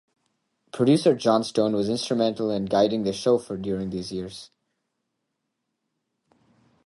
Producer Jon Stone was instrumental in guiding the show during these years.